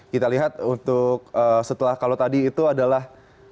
kita lihat untuk setelah kalau tadi itu adalah